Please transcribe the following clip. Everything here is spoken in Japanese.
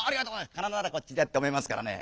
かなならこっちだって読めますからね。